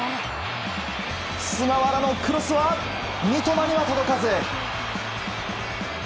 菅原のクロスは、三笘には届かず。